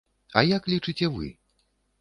А як лічыце вы?